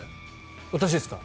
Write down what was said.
私ですか？